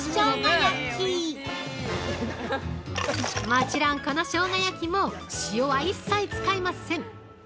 もちろん、このしょうが焼きも塩は一切使いません！